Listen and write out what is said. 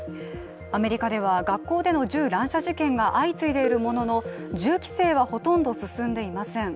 アメリカでは学校での銃乱射事件が相次いでいるものの銃規制は、ほとんど進んでいません。